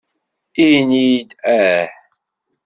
Ini-d "aah".